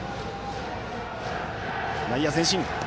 内野前進。